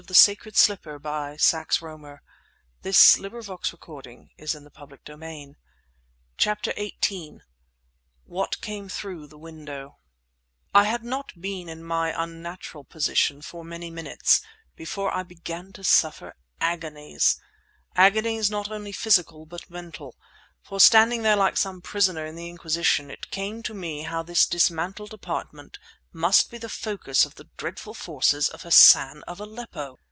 There was a sound of retreating footsteps, and I heard the entrance door close quietly. CHAPTER XVIII WHAT CAME THROUGH THE WINDOW I had not been in my unnatural position for many minutes before I began to suffer agonies, agonies not only physical but mental; for standing there like some prisoner of the Inquisition, it came to me how this dismantled apartment must be the focus of the dreadful forces of Hassan of Aleppo!